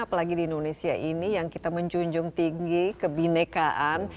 apalagi di indonesia ini yang kita menjunjung tinggi kebinekaan